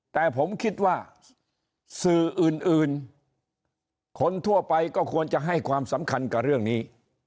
แต่ผมคิดว่าสื่ออื่นคนทั่วไปก็ควรจะให้ความสำคัญกับเรื่องนี้